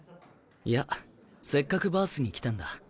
いやせっかくバースに来たんだ。